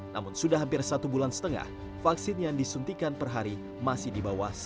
namun sudah hampir satu bulan setengah vaksin yang disuntikan per hari masih di bawah satu tahun